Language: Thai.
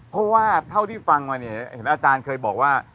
เพราะว่าเท่าที่ฟังมาเนี่ยเห็นอาจารย์เคยบอกว่า